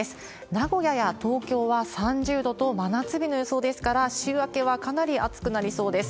名古屋や東京は３０度と真夏日の予想ですから、週明けはかなり暑くなりそうです。